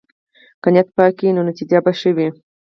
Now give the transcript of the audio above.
که نیت پاک وي، نو نتیجه به ښه وي.